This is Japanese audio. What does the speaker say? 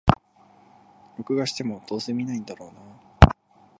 録画しても、どうせ観ないんだろうなあ